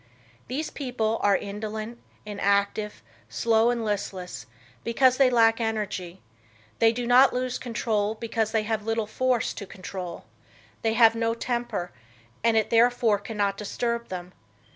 These people are indolent, inactive, slow and listless, because they lack energy; they do not lose control because they have little force to control. They have no temper and it therefore cannot disturb them.